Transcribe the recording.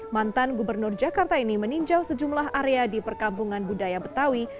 mantan gubernur jakarta ini meninjau sejumlah area di perkampungan budaya betawi